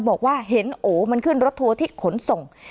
บอกว่าเห็นโอมันขึ้นรถทัวร์ที่ขนส่ง